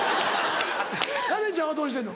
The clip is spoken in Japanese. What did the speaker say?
カレンちゃんはどうしてんの？